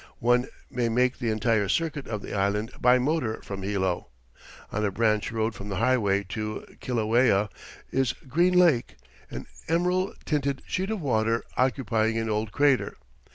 One may make the entire circuit of the island by motor from Hilo. On a branch road from the highway to Kilauea is Green Lake, an emerald tinted sheet of water occupying an old crater.